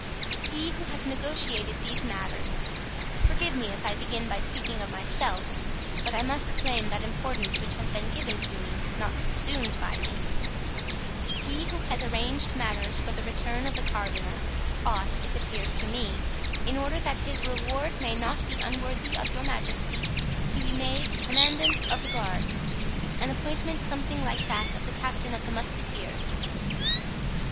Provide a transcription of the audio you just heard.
"He who has negotiated these matters (forgive me if I begin by speaking of myself, but I must claim that importance which has been given to me, not assumed by me) he who has arranged matters for the return of the cardinal, ought, it appears to me, in order that his reward may not be unworthy of your majesty, to be made commandant of the guards—an appointment something like that of captain of the musketeers."